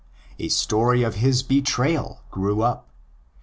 A story of his betrayal grew up.